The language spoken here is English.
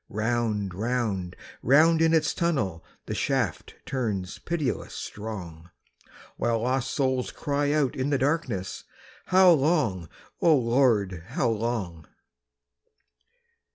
Round, round, round in its tunnel The shaft turns pitiless strong, While lost souls cry out in the darkness: "How long, O Lord, how long?"